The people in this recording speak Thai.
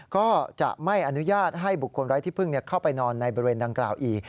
ก็จะไม่อนุญาตให้บุคคลไร้ที่พึ่งเข้าไปนอนในบริเวณดังกล่าวอีก